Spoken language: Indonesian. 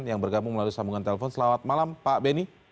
yang bergabung melalui sambungan telepon selamat malam pak benny